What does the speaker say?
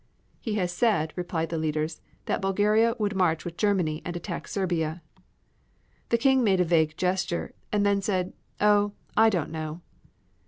"He has said " replied the leaders, "that Bulgaria would march with Germany and attack Serbia." The King made a vague gesture, and then said: "Oh, I did not know."